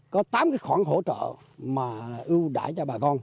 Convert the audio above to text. có tám khoản hỗ trợ mà ưu đãi cho bà con